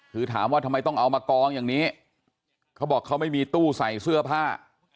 คือถามว่าทำไมต้องเอามากองอย่างนี้เขาบอกเขาไม่มีตู้ใส่เสื้อผ้า